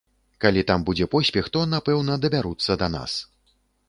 Калі там будзе поспех, то, напэўна, дабяруцца да нас.